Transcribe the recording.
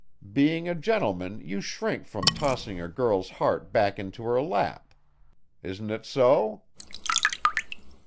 Being a gentleman you shrink from tossing a girl's heart back into her lap. Isn't it so?"